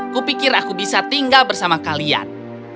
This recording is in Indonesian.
kupikir aku bisa tinggal bersama kalian